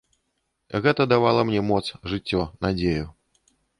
Гэта давала мне моц, жыццё, надзею.